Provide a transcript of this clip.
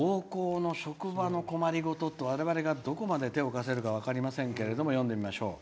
高校の職場の困りごとって我々がどこまで手を貸せるか分かりませんけど読んでみましょう。